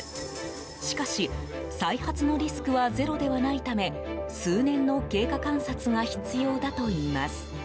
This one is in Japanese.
しかし、再発のリスクはゼロではないため数年の経過観察が必要だといいます。